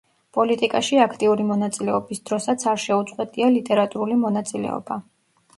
პოლიტიკაში აქტიური მონაწილეობის დროსაც არ შეუწყვეტია ლიტერატურული მონაწილეობა.